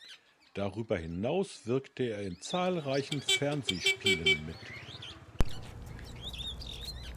Darüber hinaus wirkte er in zahlreichen Fernsehspielen mit.